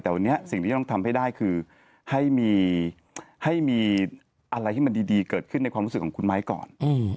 แต่วันนี้สิ่งที่จะต้องทำให้ได้คือให้มีอะไรที่มันดีเกิดขึ้นในความรู้สึกของคุณไม้ก่อน